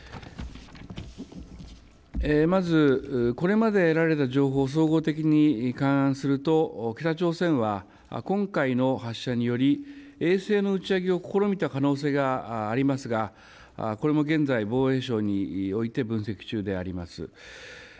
まず、これまで得られた情報を総合的に勘案すると、北朝鮮は今回の発射により、衛星の打ち上げを試みた可能性がありますが、これも現在、防衛省において分析中であります。